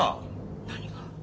何が？